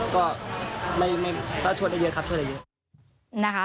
ก็ก็ชวนได้เยอะครับ